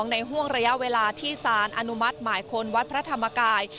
ในห่วงระยะเวลาที่สารอนุมัติหมายคนวัดพระธรรมกาย